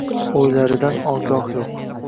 O’ylaridan ogoh yo’q.